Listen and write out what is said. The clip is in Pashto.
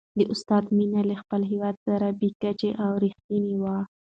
د استاد مینه له خپل هېواد سره بې کچې او رښتینې وه.